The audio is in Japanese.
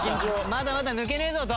まだまだ抜けねえぞと。